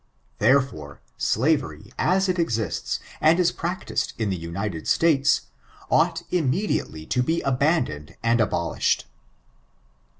'Fbsrelbre, slavery, as it exists, and is practiced in the Vuited States, ought immediately to be abandoned and abu&hed.